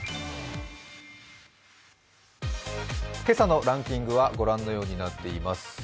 今朝のランキングはご覧のようになっています。